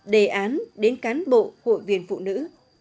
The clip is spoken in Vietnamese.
đề án đến cán bộ hội viên phụ nữ